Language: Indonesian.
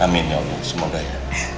amin ya allah semoga ya